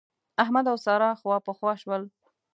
احمد او سارا خواپخوا شول.